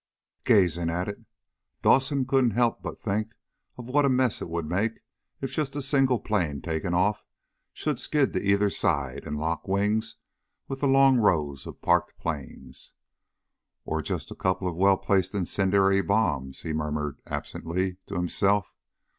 Gazing at it, Dawson couldn't help but think of what a mess it would make if just a single plane taking off should skid to either side and lock wings with the long rows of parked planes. "Or just a couple of well placed incendiary bombs!" he murmured absently to himself.